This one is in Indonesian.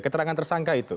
keterangan tersangka itu